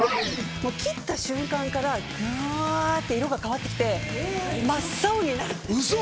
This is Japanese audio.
もう切った瞬間からぐわって色が変わって来て真っ青になるんです。